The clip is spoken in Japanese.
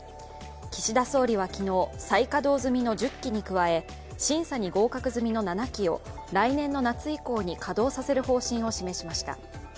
岸田総理は昨日、再稼働済みの１０基に加え審査に合格済みの７基を来年の夏以降に稼働させる方針を示しました。